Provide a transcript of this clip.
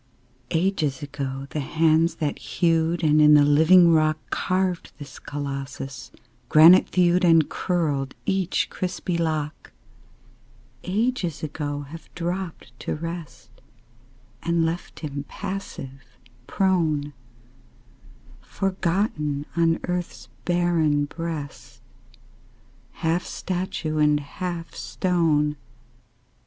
Ages ago the hands that hewed, And in the living rock Carved this Colossus, granite thewed And curled each crispy lock: Ages ago have dropped to rest And left him passive, prone, Forgotten on earth's barren breast, Half statue and half stone.